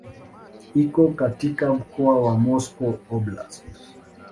Iko katika mkoa wa Moscow Oblast.